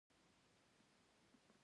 د اندخوی دښتې په فاریاب کې دي